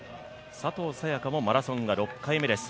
佐藤早也伽もマラソンが６回目です。